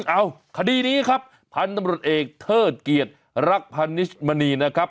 เอ้าคดีนี้ครับพันธุ์ตำรวจเอกเทิดเกียรติรักพันนิชมณีนะครับ